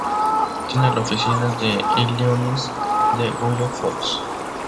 Tiene la oficina de Illinois de Goya Foods.